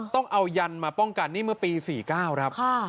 ต้องเอายันมาป้องกันนี่เมื่อปี๔๙ครับ